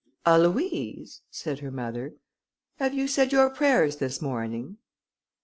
"Aloïse," said her mother, "have you said your prayers this morning?"